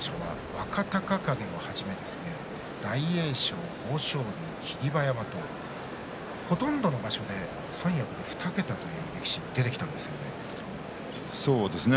若隆景を始め大栄翔、豊昇龍、霧馬山とほとんどの場所で三役２桁という力士が出てきたんですね。